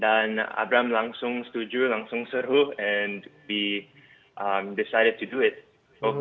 dan abram langsung setuju langsung seru dan memutuskan untuk melakukannya